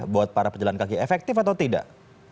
buat para pejalan kaki efektif atau tidak